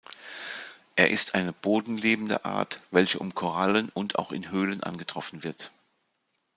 Er ist eine bodenlebende Art, welche um Korallen und auch in Höhlen angetroffen wird.